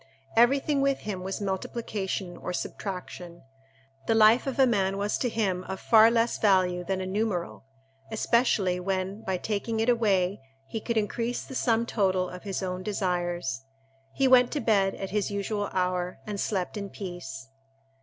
Everything with him was multiplication or subtraction. The life of a man was to him of far less value than a numeral, especially when, by taking it away, he could increase the sum total of his own desires. He went to bed at his usual hour, and slept in peace.